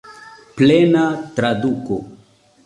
Plena traduko.